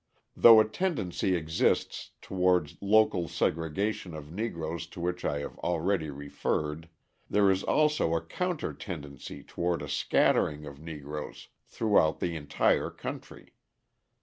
Though a tendency exists toward local segregation of Negroes to which I have already referred, there is also a counter tendency toward a scattering of Negroes throughout the entire country.